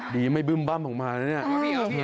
ดีไม่บึ้มบั้มออกมานะเนี่ย